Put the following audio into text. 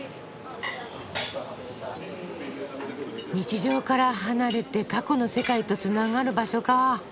日常から離れて過去の世界とつながる場所か。